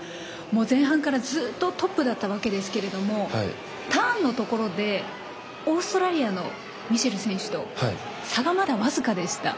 前半から、ずっとトップだったわけですがターンのところでオーストラリアのミシェル選手と差がまだわずかでした。